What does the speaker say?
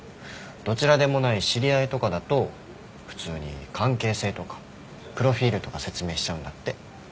どちらでもない知り合いとかだと普通に関係性とかプロフィールとか説明しちゃうんだって。